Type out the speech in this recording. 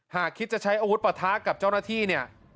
หากคิดจะใช้อาวุธปะทะกับเจ้าหน้าที่เนี่ย